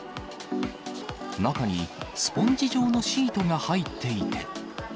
中にスポンジ状のシートが入っていて。